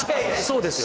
そうですよ。